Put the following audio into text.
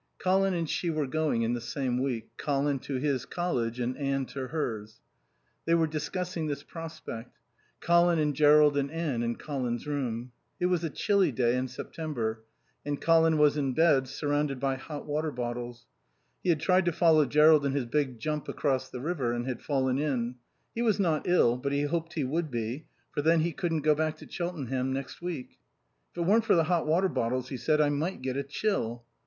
Colin and she were going in the same week, Colin to his college and Anne to hers. They were discussing this prospect. Colin and Jerrold and Anne in Colin's room. It was a chilly day in September and Colin was in bed surrounded by hot water bottles. He had tried to follow Jerrold in his big jump across the river and had fallen in. He was not ill, but he hoped he would be, for then he couldn't go back to Cheltenham next week. "If it wasn't for the hot water bottles," he said, "I might get a chill."